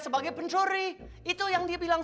sebagai pencuri itu yang dia bilang